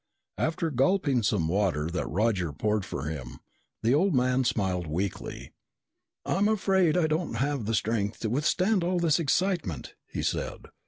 After gulping some water that Roger poured for him, the old man smiled weakly. "I'm afraid I don't have the strength to withstand all this excitement," he said.